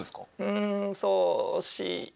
うんそう惜しい。